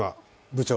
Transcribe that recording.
部長。